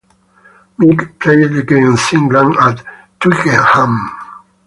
Mick played against England at Twickenham.